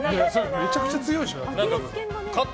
めちゃくちゃ強いでしょだって。